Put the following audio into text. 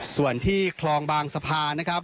ส่วนที่คลองบางสะพานนะครับ